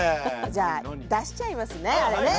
じゃあ出しちゃいますねあれね。